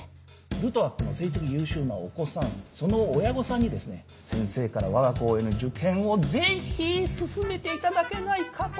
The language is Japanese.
ルトワックの成績優秀なお子さんその親御さんにですね先生からわが校への受験をぜひ勧めていただけないかと。